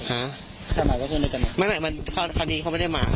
ฮะถ้ามาก็ขึ้นด้วยกันไม่ไม่มันค่อนข้างดีเขาไม่ได้มา